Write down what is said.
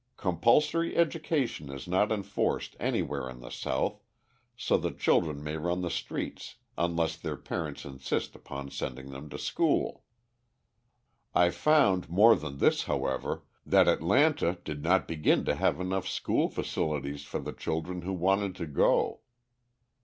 Compulsory education is not enforced anywhere in the South, so that children may run the streets unless their parents insist upon sending them to school. I found more than this, however, that Atlanta did not begin to have enough school facilities for the children who wanted to go.